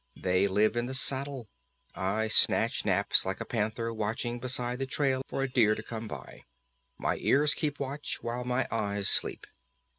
"They live in the saddle. I snatch naps like a panther watching beside the trail for a deer to come by. My ears keep watch while my eyes sleep."